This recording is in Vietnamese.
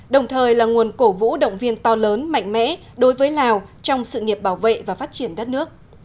đồng thời là nguồn cổ vũ động viên to lớn mạnh mẽ đối với lào trong sự nghiệp bảo vệ và phát triển đất nước